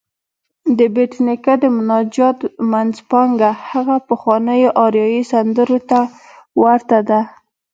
د بېټ نیکه د مناجات منځپانګه هغه پخوانيو اریايي سندرو ته ورته ده.